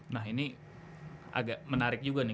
nah ini agak menarik juga nih